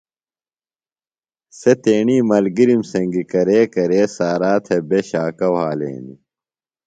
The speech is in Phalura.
سےۡ تیݨی ملگِرِم سنگیۡ کرے کرے سارا تھےۡ بےۡ شاکہ وھالینیۡ۔